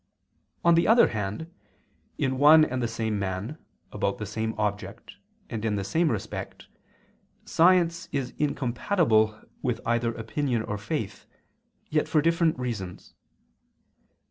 On the other hand, in one and the same man, about the same object, and in the same respect, science is incompatible with either opinion or faith, yet for different reasons.